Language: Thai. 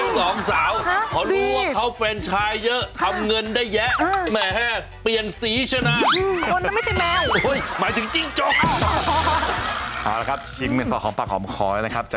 สองสาวเขารู้ว่าเขาแฟนชายเยอะทำเงินได้แยะแหมเปลี่ยนสีใช่ไหม